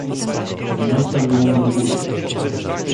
"Podniosłem ją do góry."